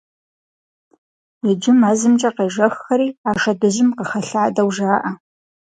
Иджы мэзымкӀэ къежэххэри а шэдыжьым къыхэлъадэу жаӀэ.